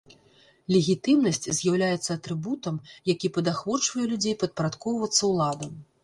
Легітымнасць з'яўляецца атрыбутам, які падахвочвае людзей падпарадкоўвацца ўладам.